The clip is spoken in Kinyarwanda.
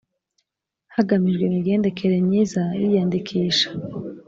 hagamijwe imigendekere myiza y iyandikisha